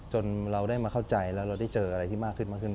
เราได้มาเข้าใจแล้วเราได้เจออะไรที่มากขึ้นมากขึ้น